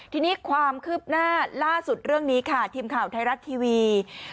ทีนี้ความคืบหน้าล่าสุดเรื่องนี้ค่ะทีมข่าวไทยรัฐทีวี